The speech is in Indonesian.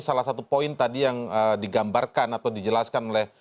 salah satu poin tadi yang digambarkan atau dijelaskan oleh